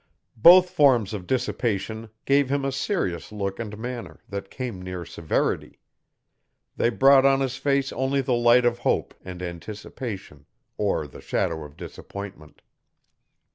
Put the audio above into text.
Both forms of dissipation gave him a serious look and manner, that came near severity. They brought on his face only the light of hope and anticipation or the shadow of disappointment.